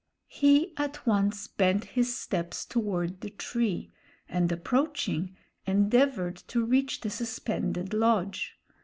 He at once bent his steps toward the tree, and approaching, endeavored to reach the suspended lodge.